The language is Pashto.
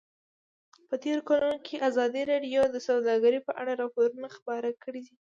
په تېرو کلونو کې ازادي راډیو د سوداګري په اړه راپورونه خپاره کړي دي.